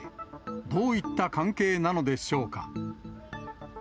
どういった関係なのでしょうか。